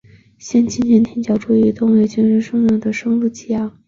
县名纪念天主教与东正教殉道圣人圣路济亚。